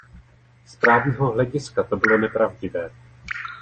Z právního hlediska to bylo nepravdivé.